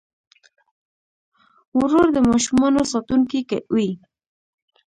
ورور د ماشومانو ساتونکی وي.